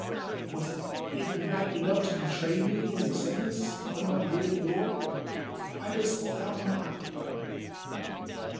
"Was it not enough to betray me in the semblance of my wedded lord? Why dost thou mock?"